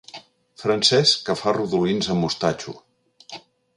Francès que fa rodolins amb mostatxo.